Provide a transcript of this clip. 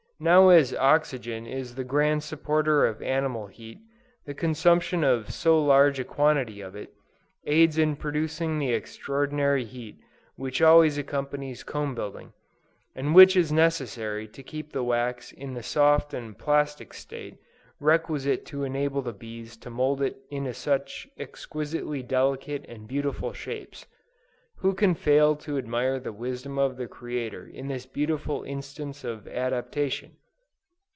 Now as oxygen is the grand supporter of animal heat, the consumption of so large a quantity of it, aids in producing the extraordinary heat which always accompanies comb building, and which is necessary to keep the wax in the soft and plastic state requisite to enable the bees to mould it into such exquisitely delicate and beautiful shapes! Who can fail to admire the wisdom of the Creator in this beautiful instance of adaptation?